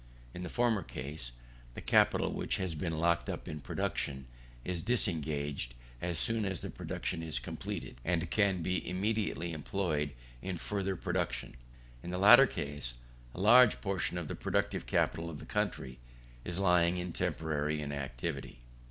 In the former case, the capital which has been locked up in production is disengaged as soon as the production is completed; and can be immediately employed in further production. In the latter case, a large portion of the productive capital of the country is lying in temporary inactivity.